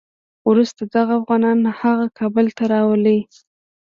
وروسته دغه افغانان هغه کابل ته راولي.